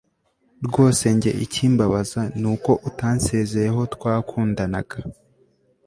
rwose jye ikimbabaza, ni uko utansezeyeho twakundanaga